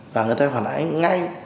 và người ta phải phản ánh ngay